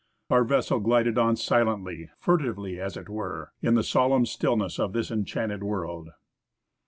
Our vessel glided on silently — furtively, as it were — in the solemn stillness of this enchanted world.